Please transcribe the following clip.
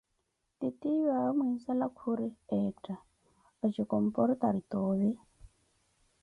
Titiyuawe muinzala khuri, etha otjikomportari tovi?